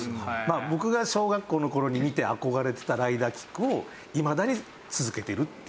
僕が小学校の頃に見て憧れてたライダーキックをいまだに続けてるっていう。